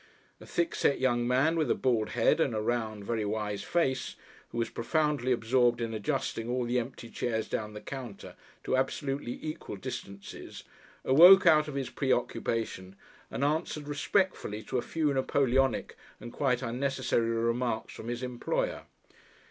A thickset young man with a bald head and a round, very wise face, who was profoundly absorbed in adjusting all the empty chairs down the counter to absolutely equal distances, awoke out of his preoccupation and answered respectfully to a few Napoleonic and quite unnecessary remarks from his employer.